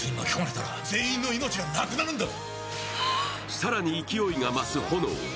更に、勢いが増す炎。